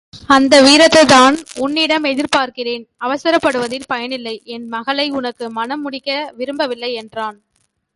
அந்த வீரத்தைத்தான் உன்னிடம் எதிர்பார்க்கிறேன் அவசரப்படுவதில் பயனில்லை. என் மகளை உனக்கு மணம் முடிக்க விரும்பவில்லை என்றான்.